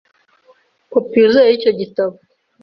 kopi yiuzuye y’icyo gitabo